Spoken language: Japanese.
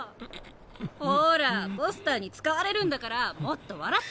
ほらポスターに使われるんだからもっと笑って。